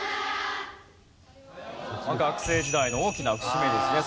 学生時代の大きな節目ですね。